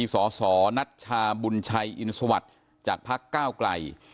สสนัทชาบุญชัยอินสวัสดิ์จัดพรรคเก้าไกล